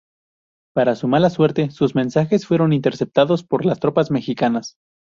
Para su mala suerte, sus mensajes fueron interceptados por las tropas mexicanas.